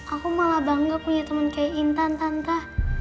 aku malah bangga punya teman kayak intan tanta